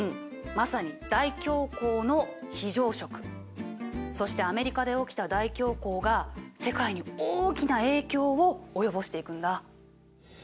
まさにそしてアメリカで起きた大恐慌が世界に大きな影響を及ぼしていくんだ。